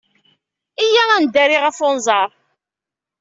Iyyat ad neddari ɣef unẓar.